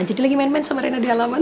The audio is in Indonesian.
jadi lagi main main sama reina di halaman